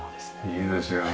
いいですよね。